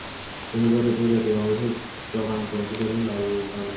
তিনি ভারতীয় জাতীয় কংগ্রেসের চরম পন্থীদলের লাল-বাল-পালের অন্যতম নেতা।